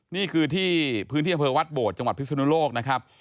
นี่คือที่พื้นที่อำเภอวัดโบดจังหวัดพิศนุโลกนะครับ